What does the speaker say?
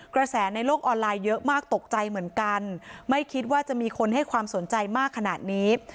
ในโลกออนไลน์เยอะมากตกใจเหมือนกันไม่คิดว่าจะมีคนให้ความสนใจมากขนาดนี้